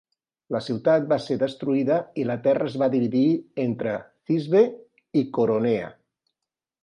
La ciutat va ser destruïda i la terra es va dividir entre Thisbe i Coronea.